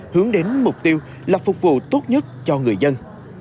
hướng đến mục tiêu là phục vụ tốt nhất cho người dân